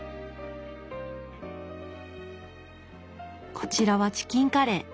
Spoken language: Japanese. こちらはチキンカレー。